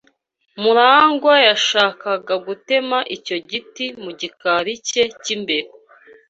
MuragwA yashakaga gutema icyo giti mu gikari cye cy'imbere